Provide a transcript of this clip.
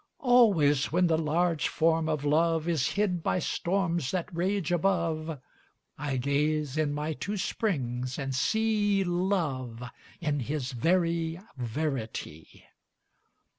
Always when the large Form of Love Is hid by storms that rage above, I gaze in my two springs and see Love in his very verity.